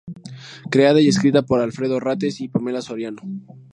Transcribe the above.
Creada y escrita por Alfredo Rates y Pamela Soriano.